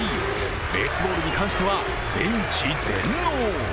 ベースボールに関しては全知全能。